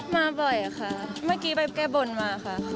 มาบ่อยค่ะเมื่อกี้ไปแก้บนมาค่ะ